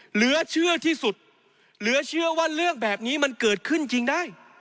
เหลือเชื่อที่สุดเหลือเชื่อว่าเรื่องแบบนี้มันเกิดขึ้นจริงได้